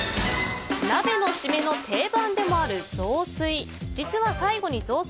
鍋のシメの定番でもある雑炊。